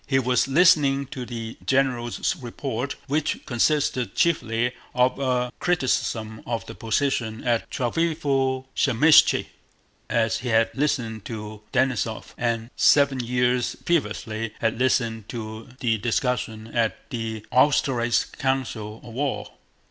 He was listening to the general's report—which consisted chiefly of a criticism of the position at Tsárevo Zaymíshche—as he had listened to Denísov, and seven years previously had listened to the discussion at the Austerlitz council of war.